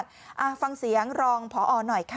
บ่อยครักมากอ่าฟังเสียงรองผอหน่อยค่ะ